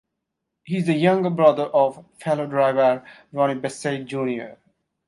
He is the younger brother of fellow driver Ronnie Bassett Jr.